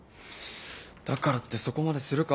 だからってそこまでするか？